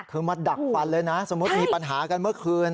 คือมาดักฟันเลยนะสมมุติมีปัญหากันเมื่อคืน